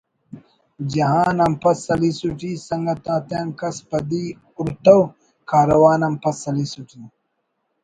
جہان آن پد سلیسُٹ ای سنگت آتیان کس پَدی ہُرتو کاروان آن پَد سَلیسُٹ ای